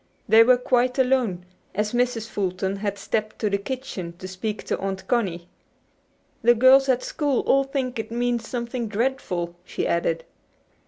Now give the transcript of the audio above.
They were quite alone, as Mrs. Fulton had stepped to the kitchen to speak to Aunt Connie. "The girls at school all think it means something dreadful," she added.